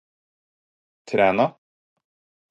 Træna